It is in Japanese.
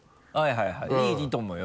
はいはいいいと思うよ